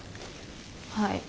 はい。